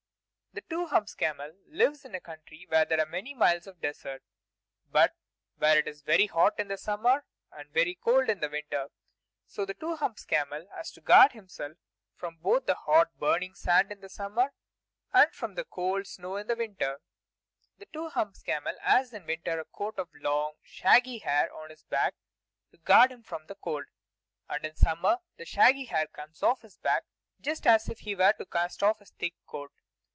The Two Humps camel lives in a country where there are also many miles of desert, but where it is very hot in the summer and very cold in the winter. So the Two Humps camel has to guard himself from the hot burning sand in the summer, and from the cold and snow in the winter. The Two Humps camel has in winter a coat of long, shaggy hair on his back to guard him from the cold; and in summer the shaggy hair comes off his back, just as if he were to cast off his thick coat.